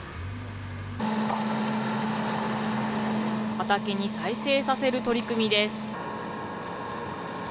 畑に再生させる取り組みです。